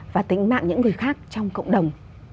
và tính mạng những người khác trong cộng đồng